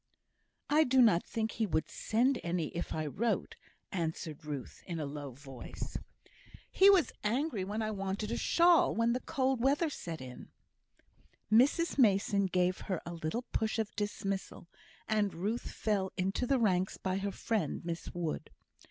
"I do not think he would send any if I wrote," answered Ruth, in a low voice. "He was angry when I wanted a shawl, when the cold weather set in." Mrs Mason gave her a little push of dismissal, and Ruth fell into the ranks by her friend, Miss Wood.